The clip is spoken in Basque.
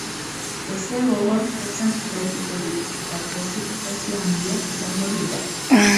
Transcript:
Haizeak gogor jotzen jarraituko du eta prezipitazio handiak izango dira.